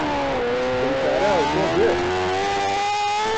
Ad teddumt ar Iɛeẓẓugen?